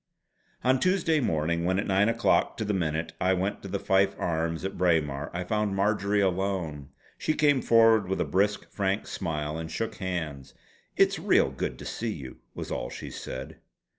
On Tuesday morning when at nine o'clock to the minute I went to the Fife Arms at Braemar, I found Marjory alone. She came forward with a bright, frank smile and shook hands. "It's real good to see you" was all she said.